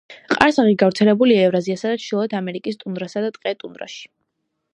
ყარსაღი გავრცელებულია ევრაზიისა და ჩრდილოეთი ამერიკის ტუნდრასა და ტყე-ტუნდრაში.